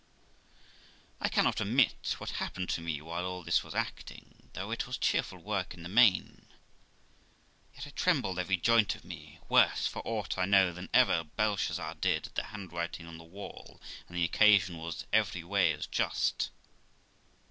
I cannot omit what happened to me while all this was acting; though it was cheerful work in the main, yet I trembled every joint of me, worse for aught I know than ever Belshazzar did at the handwriting on the wall, and the occasion was every way as just.